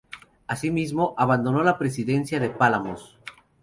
Así mismo, abandonó la presidencia del Palamós.